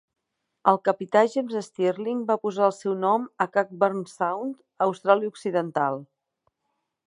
El capità James Stirling va posar el seu nom a Cockburn Sound, a Austràlia Occidental.